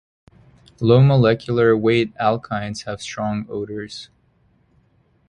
Low molecular weight alkynes have strong odors.